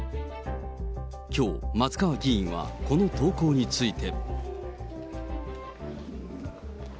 きょう、松川議員はこの投稿について。